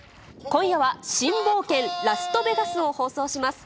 今夜は、新冒険ラストベガスを放送します。